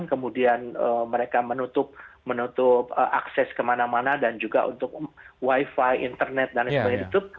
kemudian mereka menutup akses kemana mana dan juga untuk wifi internet dan lain sebagainya itu